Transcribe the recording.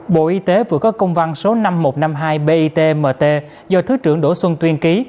bộ y tế vừa có công văn số năm nghìn một trăm năm mươi hai bitmt do thứ trưởng đỗ xuân tuyên ký